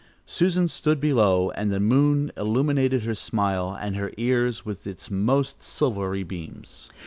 Susan stood below and the moon illuminated her smile and her ears with its most silvery beams.